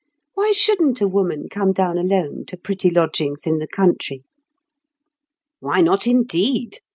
Why shouldn't a woman come down alone to pretty lodgings in the country?" "Why not, indeed?"